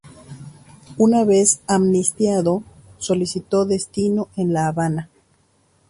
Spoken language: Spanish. Una vez amnistiado, solicitó destino en La Habana.